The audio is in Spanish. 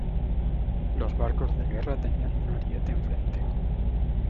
Los barcos de guerra tenían un ariete en frente.